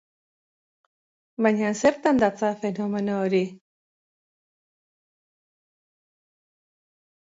Baina zertan datza fenomeno hori?